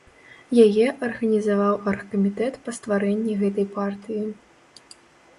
Яе арганізаваў аргкамітэт па стварэнні гэтай партыі.